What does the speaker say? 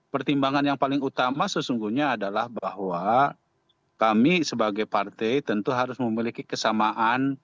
pertimbangan yang paling utama sesungguhnya adalah bahwa kami sebagai partai tentu harus memiliki kesamaan